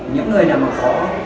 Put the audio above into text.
những người nào mà có